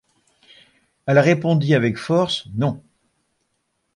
Elle répondit avec force: — Non.